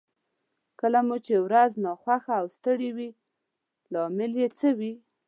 کله مو چې ورځ ناخوښه او ستړې وي لامل يې څه وي؟